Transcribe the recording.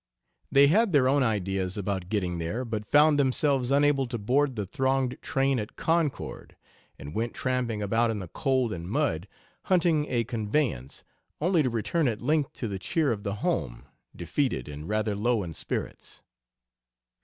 They had their own ideas about getting there, but found themselves unable to board the thronged train at Concord, and went tramping about in the cold and mud, hunting a conveyance, only to return at length to the cheer of the home, defeated and rather low in spirits.